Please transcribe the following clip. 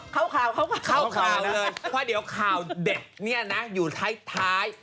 เข้าข่าวเลยเพราะเดี๋ยวข่าวเด็ดนี่นะอยู่ท้าย